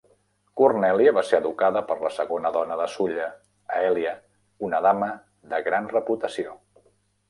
Cornelia va ser educada per la segona dona de Sulla, Aelia, una dama de gran reputació.